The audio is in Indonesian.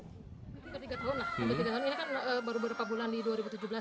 tiga tahun lah baru berapa bulan di dua ribu tujuh belas ya